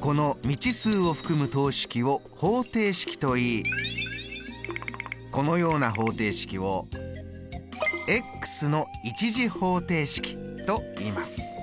この未知数を含む等式を方程式といいこのような方程式をの１次方程式といいます。